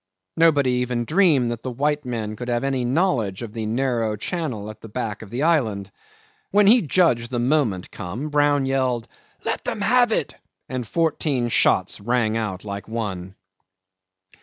Nobody even dreamed that the white men could have any knowledge of the narrow channel at the back of the island. When he judged the moment come, Brown yelled, "Let them have it," and fourteen shots rang out like one.